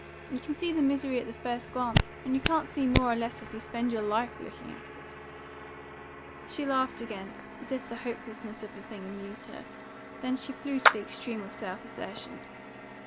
You can see the misery at the first glance, and you can't see more or less if you spend your life looking at it." She laughed again, as if the hopelessness of the thing amused her. Then she flew to the extreme of self assertion.